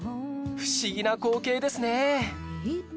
不思議な光景ですね